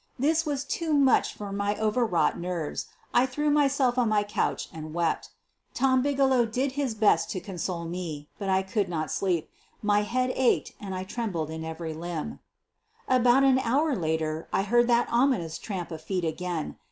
This was too much for my overwrought nerves. I threw myself on my ©ouch and wept. Tom Bigelow did his best 144 SOPHIE LYONS to console me, but I could not sleep — my head ached and I trembled in every limb. About an hour later I heard that ominous tramp of feet again!